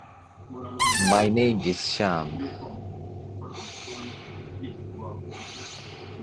ሞኒካ ካብ ትማሊ ሎሚ ኣጸቢቑ ኸም ዝሓሻ ነጊራትኒ።